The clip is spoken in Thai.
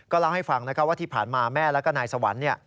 เล่าให้ฟังว่าที่ผ่านมาแม่แล้วก็นายสวรรค์